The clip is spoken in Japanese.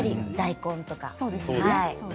大根とかね。